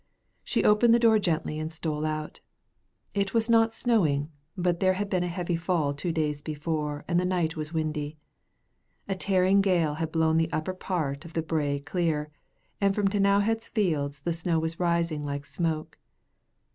She opened the door gently and stole out. It was not snowing, but there had been a heavy fall two days before, and the night was windy. A tearing gale had blown the upper part of the brae clear, and from T'nowhead's fields the snow was rising like smoke.